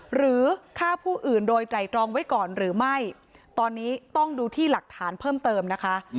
หรือฆ่าผู้อื่นโดยไตรตรองไว้ก่อนหรือไม่ตอนนี้ต้องดูที่หลักฐานเพิ่มเติมนะคะ